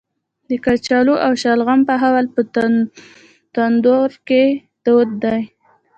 د کچالو او شلغم پخول په تندور کې دود دی.